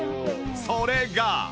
それが